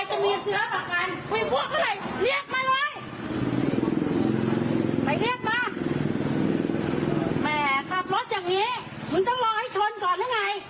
ตอนไหนอ่ะเออมันไม่ต้องตอนไหนแต่ถ้าน้องชนขึ้นมามันจะยังไง